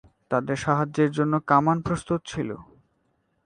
তাদের সাহায্যের জন্য কামান প্রস্তুত ছিল।